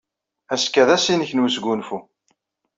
Azekka d ass-nnek n wesgunfu.